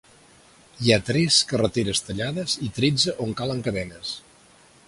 Hi ha tres carreteres tallades i tretze on calen cadenes.